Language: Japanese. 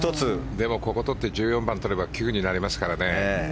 でも、ここ取って１４番取れば９になりますからね。